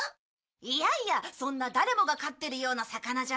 いやいやそんな誰もが飼ってるような魚じゃないさ。